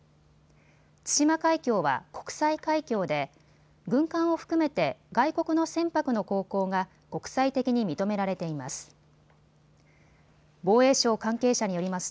対馬海峡は国際海峡で軍艦を含めて外国の船舶の航行が国際的に認められています。